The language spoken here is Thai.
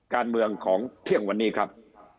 การเมืองของเที่ยงวันนี้ครับ